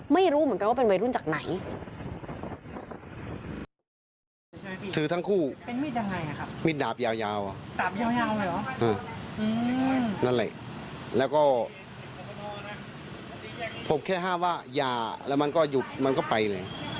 ไม่รู้เหมือนกันว่าเป็นวัยรุ่นจากไหน